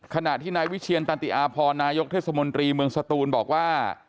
ขณะที่นายวิเชียรตันติอาพรนายกเทศมนตรีเมืองสตูนบอกว่า